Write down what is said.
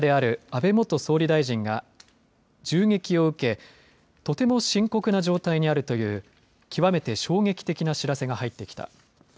安倍元総理大臣が銃撃を受けとても深刻な状態にあるという極めて衝撃的な知らせが入ってきた。